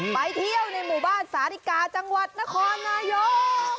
ไปเที่ยวในหมู่บ้านสาธิกาจังหวัดนครนายก